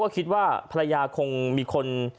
คิดว่าภรรยาคงมีคน